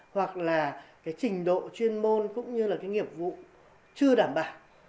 hoặc là cái trình độ chuyên môn cũng như là cái nghiệp vụ chưa đảm bảo